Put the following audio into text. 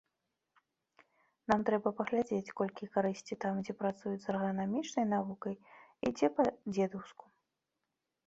Нам трэба паглядзець, колькі карысці там, дзе працуюць з агранамічнай навукай і дзе па-дзедаўску.